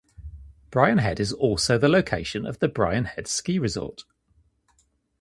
Brian Head is also the location of the Brian Head Ski Resort.